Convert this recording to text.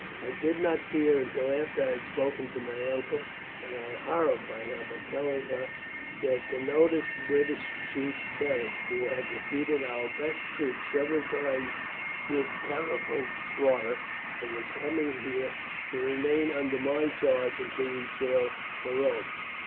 "I did not see her until after I had spoken to my uncle, and I horrified her by telling her that the noted British chief Beric, who had defeated our best troops several times with terrible slaughter, was coming here to remain under my charge until we sail for Rome.